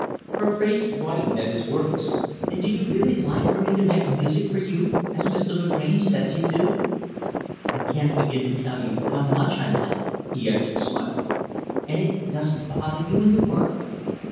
Her face brightened at his words. "And do you really like for me to make music for you as Mr. Lagrange says you do?" "I can't begin to tell you how much I like it," he answered smiling. "And it doesn't bother you in your work?"